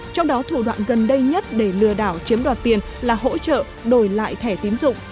trong đó thủ đoạn gần đây nhất để lừa đảo chiếm đoạt tiền là hỗ trợ đổi lại thẻ tín dụng